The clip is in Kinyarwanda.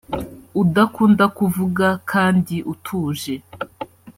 udakunda kuvuga kandi utuje